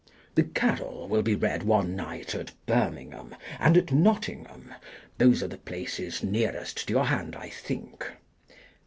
" The Carol " will be read one night at Birming ham, and at Nottingham. Those are the places nearest to your hand I think.